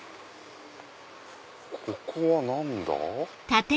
ここは何だ？